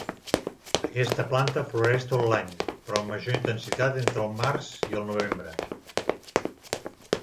Aquesta planta floreix tot l'any, però amb major intensitat entre el març i el novembre.